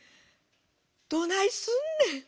『どないすんねん。